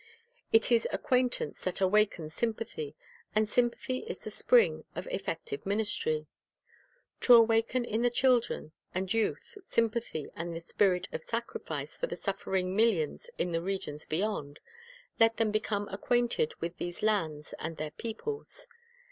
It is acquaintance that awakens sympathy, and sym pathy is the spring of effective ministry. To awaken in the children and youth sympathy and the spirit of sacrifice for the suffering millions in the "regions beyond," let them become acquainted with these lands and their peoples.